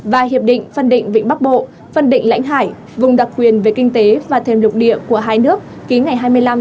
và hiệp định phân định vịnh bắc bộ phân định lãnh hải vùng đặc quyền về kinh tế và thêm lục địa của hai nước ký ngày hai mươi năm tháng một mươi hai năm hai nghìn